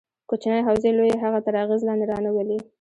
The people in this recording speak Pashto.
کوچنۍ حوزې لویې هغه تر اغېز لاندې رانه ولي.